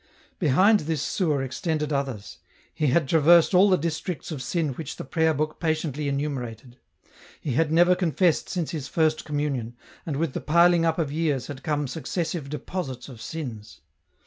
Behind this sewer extended others. He had traversed all the districts of sin which the prayer book patiently enumerated. He had never confessed since his first communion, and with the piling up of years had come successive deposits of sins.